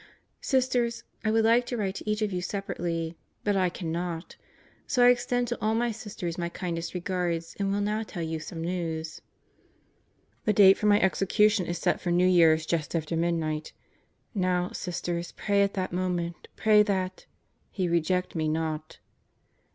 Sisters, I would like to write to each of you separately, but I cannot. So I extend to all my Sisters my kindest regards and will now tell you some news. ... The date for my execution is set for New Year's just after mid night. Now Sisters pray at that moment, pray that ... He reject me not.